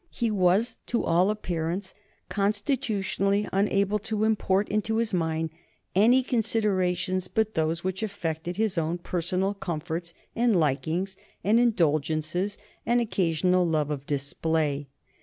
He was to all appearance constitutionally unable to import into his mind any considerations but those which affected his own personal comforts and likings and indulgences and occasional love of display.